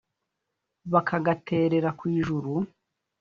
bakagaterera kw’ijuru